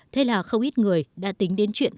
thế là không ít người đã tính đến chuyện